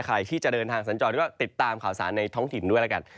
ใครที่จะเดินทางสัญจรก็ติดตามข่าวสารในท้องถิ่นด้วยแล้วกัน